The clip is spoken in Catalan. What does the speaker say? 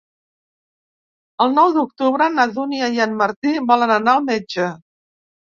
El nou d'octubre na Dúnia i en Martí volen anar al metge.